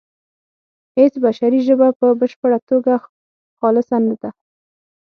هیڅ بشري ژبه په بشپړه توګه خالصه نه ده